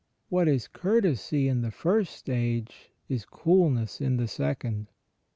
What is courtesy in the first stage, is cool ness in the second.